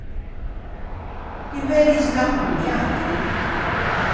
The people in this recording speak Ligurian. Ti veu disnâ con niatri?